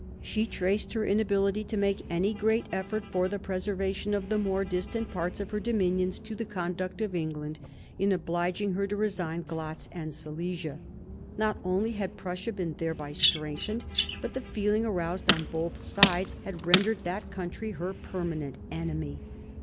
She traced her inability to make any great effort for the preservation of the more distant parts of her dominions to the conduct of England in obliging her to resign Glatz and Silesia. Not only had Prussia been thereby strengthened, but the feeling aroused on both sides had rendered that country her permanent enemy.